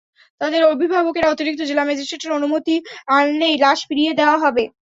তাঁদের অভিভাবকেরা অতিরিক্ত জেলা ম্যাজিস্ট্রেটের অনুমতি আনলেই লাশ ফিরিয়ে দেওয়া হবে।